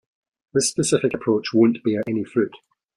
This specific approach won't bear any fruit.